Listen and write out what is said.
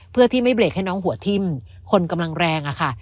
เพื่อที่ไม่เบรกให้น้องหัวทิ้มคนกำลังแรงอะค่ะ